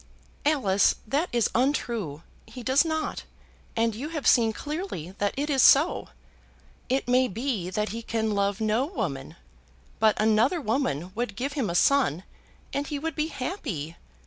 "Alice, that is untrue. He does not; and you have seen clearly that it is so. It may be that he can love no woman. But another woman would give him a son, and he would be happy.